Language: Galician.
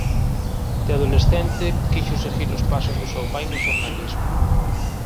De adolescente quixo seguir os pasos do seu pai no xornalismo.